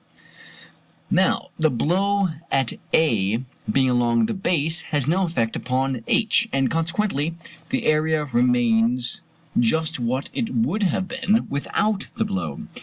(Fig. 70.) Now the blow at A, being along the base, has no effect upon h; and consequently the area remains just what it would have been without the blow.